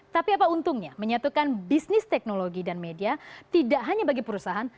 tapi apa untungnya menyatukan bisnis teknologi dan media tidak hanya bagi perusahaan